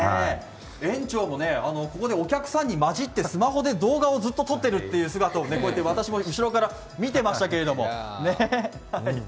園長もここでお客さんに混じってスマホで動画をずっと撮ってるって姿を私も後ろから見てました。